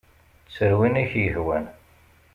Tter win ay ak-yehwan.